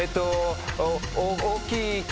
大きい９。